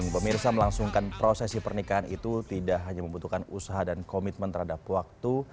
pemirsa melangsungkan prosesi pernikahan itu tidak hanya membutuhkan usaha dan komitmen terhadap waktu